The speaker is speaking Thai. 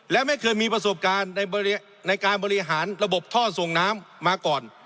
และไม่เคยมีประสบการณ์ในการบริหารระบบท่อส่งน้ำมาก่อน